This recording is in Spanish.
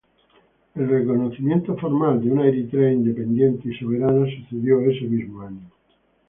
El reconocimiento formal de una Eritrea independiente y soberana sucedió ese mismo año.